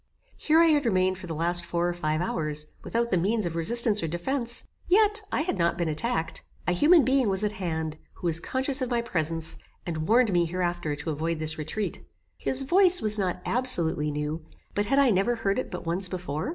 Here I had remained for the last four or five hours, without the means of resistance or defence, yet I had not been attacked. A human being was at hand, who was conscious of my presence, and warned me hereafter to avoid this retreat. His voice was not absolutely new, but had I never heard it but once before?